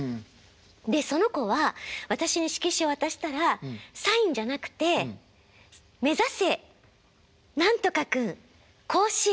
でその子は私に色紙を渡したらサインじゃなくて「めざせ何とか君甲子園！